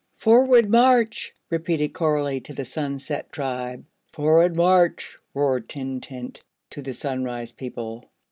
"For ward march!" repeated Coralie to the Sunset Tribe. "For ward march!" roared Tintint to the Sunrise people.